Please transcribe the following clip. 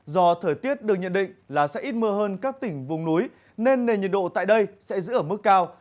do thời tiết được nhận định là sẽ ít mưa hơn các tỉnh vùng núi nên nền nhiệt độ tại đây sẽ giữ ở mức cao